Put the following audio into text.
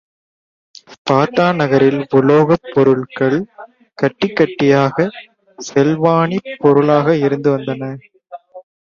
Sparta நகரில் உலோகப் பொருள்கள் கட்டி கட்டியாகச் செலாவ்ணிப் பொருளாக இருந்து வந்தன.